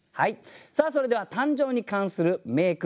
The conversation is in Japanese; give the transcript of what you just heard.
さあそれでは「誕生」に関する名句